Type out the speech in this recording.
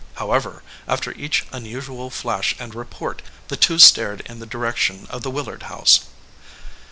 However, after each unusual flash and report the two stared in the direction of the Willard house.